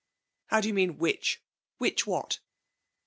'How do you mean "Which"? Which what?'